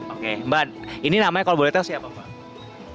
oke mbak ini namanya kalau boleh tahu siapa mbak